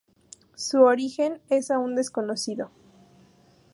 Su origen es aun desconocido.